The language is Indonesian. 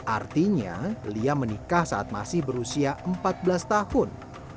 artinya lia menikah saat masih berusia empat belas tahun